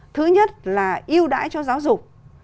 thứ nhất là ưu đãi cho giáo dục